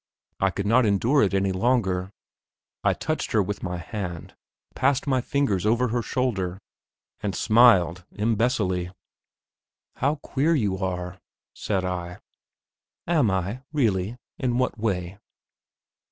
I could not endure it any longer; I touched her with my hand, passed my fingers over her shoulder, and smiled imbecilely. "How queer you are," said I. "Am I, really; in what way?"